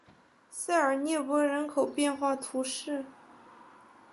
塞尔涅博人口变化图示